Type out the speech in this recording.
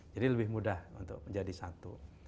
jadi lebih mudah untuk menjadi satu